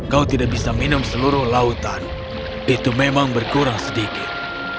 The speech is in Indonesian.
kau tidak bisa minum seluruh lautan itu memang berkurang sedikit